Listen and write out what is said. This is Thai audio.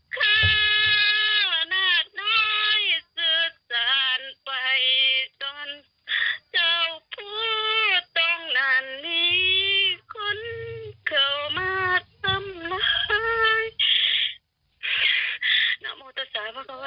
ข้าหน้าน้อยสุฆาณไปจนเจ้าพวกตรงนั้นมีคนเข้ามาทำร้าย